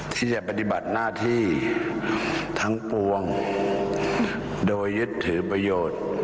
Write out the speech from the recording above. ที่จะปฏิบัติหน้าที่ทั้งปวงโดยยึดถือประโยชน์